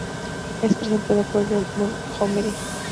Es presentado por Jon Montgomery.